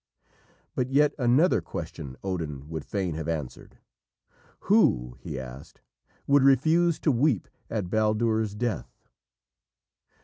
But yet another question Odin would fain have answered. "Who," he asked, "_would refuse to weep at Baldur's death?